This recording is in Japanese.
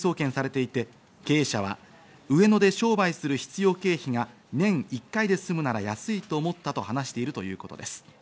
ストリップ劇場側も書類送検されていて、経営者は上野で商売する必要経費が年１回で済むなら安いと思ったと話しているということです。